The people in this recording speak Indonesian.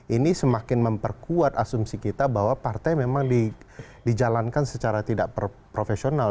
ini semakin memperkuat asumsi kita bahwa partai memang dijalankan secara tidak profesional